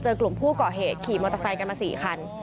เจอกลุ่มผู้เกาะเหตุขี้มอเตอร์ไซน์กันมาสี่คัน